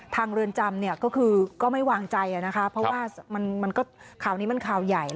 ทางเรือนจำก็คือก็ไม่วางใจนะคะเพราะว่ามันก็ขาวนี้มันข่าวใหญ่